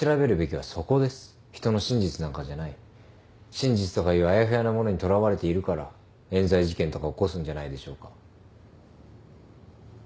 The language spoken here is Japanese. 真実とかいうあやふやなものにとらわれているから冤罪事件とか起こすんじゃないでしょうか。